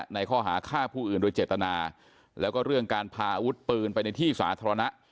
ในข้อหาฆ่าผู้อื่นโดยเจตนาแล้วก็เรื่องการพาอาวุธปืนไปในที่สาธารณะ